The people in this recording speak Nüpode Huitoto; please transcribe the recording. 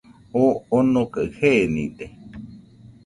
Oo onokaɨ jenide.